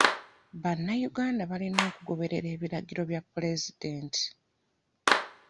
Bannayuganda balina okugoberera ebiragiro bya pulezidenti.